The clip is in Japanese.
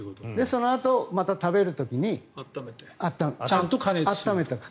そのあとまた食べる時に温めておく。